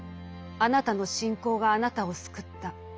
「あなたの信仰があなたを救った。